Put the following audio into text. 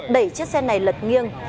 đẩy chiếc xe này lật nghiêng